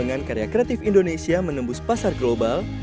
dengan karya kreatif indonesia menembus pasar global